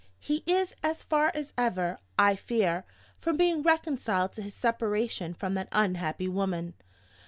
He is as far as ever, I fear, from being reconciled to his separation from that unhappy woman.